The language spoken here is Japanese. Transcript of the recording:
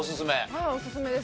はいおすすめです。